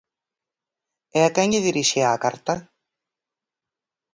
¿E a quen lle dirixía a carta?